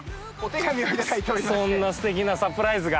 すてきなサプライズが。